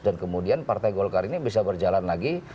dan kemudian partai golkar ini bisa berjalan lagi